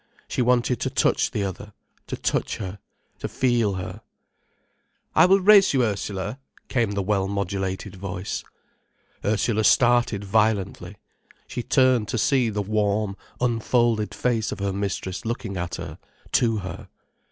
She wanted to touch the other, to touch her, to feel her. "I will race you, Ursula," came the well modulated voice. Ursula started violently. She turned to see the warm, unfolded face of her mistress looking at her, to her.